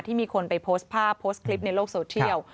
มีคนไปโพสต์ภาพโพสต์คลิปในโลกโซเทียล